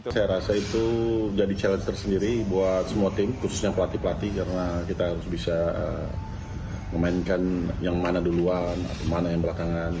saya rasa itu jadi challenge tersendiri buat semua tim khususnya pelatih pelatih karena kita harus bisa memainkan yang mana duluan atau mana yang belakangan